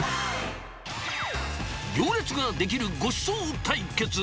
行列が出来るごちそう対決。